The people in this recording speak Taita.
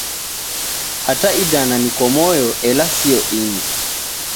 Hata idana nko moyo ela sio ini.